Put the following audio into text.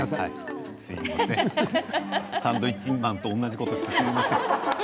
サンドウィッチマンと同じことしてすみません。